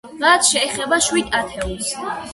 რაც შეეხება შვიდ ათეულს.